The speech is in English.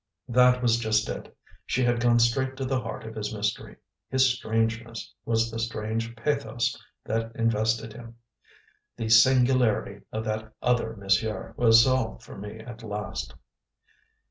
That was just it. She had gone straight to the heart of his mystery: his strangeness was the strange PATHOS that invested him; the "singularity" of "that other monsieur" was solved for me at last.